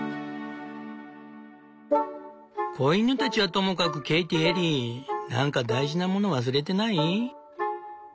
「子犬たちはともかくケイティエリー何か大事なもの忘れてない？